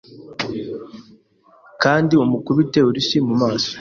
Kandi umukubite urushyi mu maso!